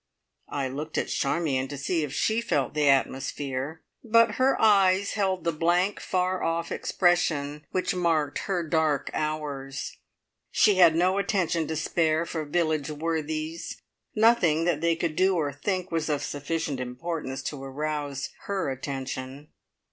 I looked at Charmion to see if she felt the atmosphere, but her eyes held the blank, far off expression which marked her dark hours. She had no attention to spare for village worthies: nothing that they could do or think was of sufficient importance to arouse her attention.